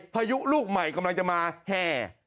พายุลูกใหม่กำลังจะมาแห่